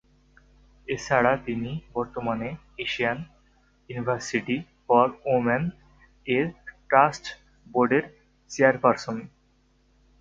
এছাড়া তিনি বর্তমানে এশিয়ান ইউনিভার্সিটি ফর উইমেন এর ট্রাস্টি বোর্ডের চেয়ারপার্সন।